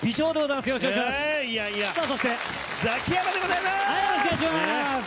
そしてザキヤマでございます。